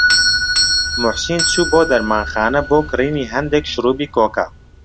موحسین چوو بۆ دەرمانخانە بۆ کڕینی هەندێک شرووبی کۆکە.